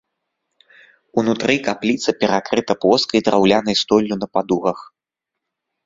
Унутры капліца перакрыта плоскай драўлянай столлю на падугах.